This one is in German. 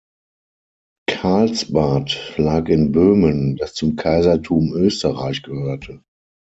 Karlsbad lag in Böhmen, das zum Kaisertum Österreich gehörte.